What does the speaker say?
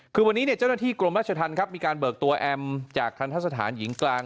คือวันนี้เจ้าหน้าที่กรมราชธรรมครับมีการเบิกตัวแอมจากทันทะสถานหญิงกลาง